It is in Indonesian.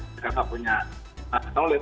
mereka tidak punya knowledge